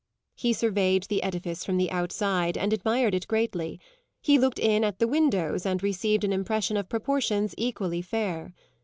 He surveyed the edifice from the outside and admired it greatly; he looked in at the windows and received an impression of proportions equally fair.